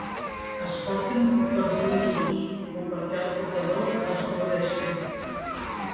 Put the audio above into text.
Es porten per lluir-los o perquè el portador els gaudeixi.